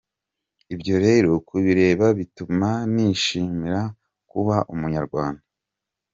Ibyo rero kubireba, bituma nishimira kuba umunyarwanda.